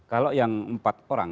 kalau yang empat orang